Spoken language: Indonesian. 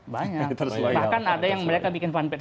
bahkan ada yang mereka bikin fanpage